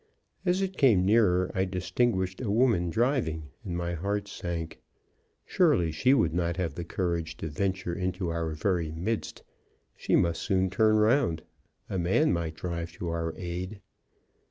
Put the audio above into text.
As it came nearer, I distinguished a woman driving, and my heart sank. Surely she would not have the courage to venture into our very midst; she must soon turn round. A man might drive to our aid.